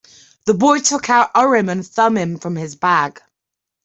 The boy took out Urim and Thummim from his bag.